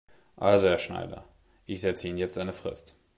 Also Herr Schneider, ich setze Ihnen jetzt eine Frist.